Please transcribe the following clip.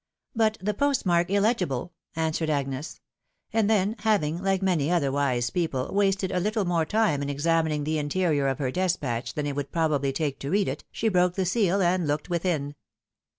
" But the postmark illegible," answered Agnes ; and then having, like many other wise people, wasted a little more time in examining the interior of her despatch than it would probably take to read it, she broke the seal and looked within.